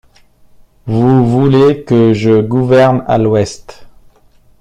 Vous voulez que je gouverne à l’ouest!